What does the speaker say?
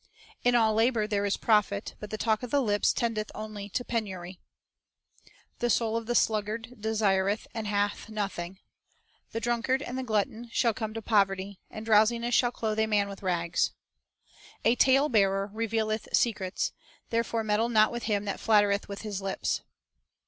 1 "In all labor there is profit; but the talk of the lips tendeth only to penury." 1 'The soul of the sluggard desireth, and hath noth ing." "The drunkard and the glutton shall come to Every Day poverty; and drowsiness shall clothe a man with rags."" "A talebearer revealeth secrets; therefore meddle not with him that fiattereth with his lips."